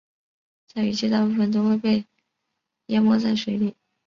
在雨季大部分都会被淹没在水里。